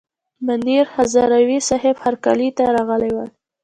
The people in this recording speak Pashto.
منیر هزاروي صیب هرکلي ته راغلي ول.